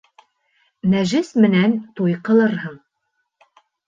Нәжес менән туй ҡылырһың.